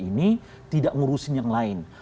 ini tidak ngurusin yang lain